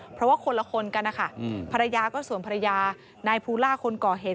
เพราะว่าคนละคนกันนะคะภรรยาก็ส่วนภรรยานายภูล่าคนก่อเหตุ